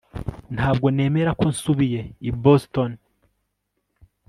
Ntabwo nemera ko nsubiye i Boston